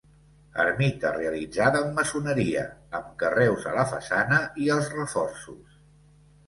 Ermita realitzada amb maçoneria, amb carreus a la façana i als reforços.